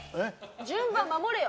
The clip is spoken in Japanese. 順番守れよ！